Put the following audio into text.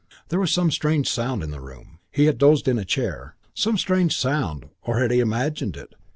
IV There was some strange sound in the room. He had dozed in a chair. Some strange sound, or had he imagined it?